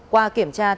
qua kiểm tra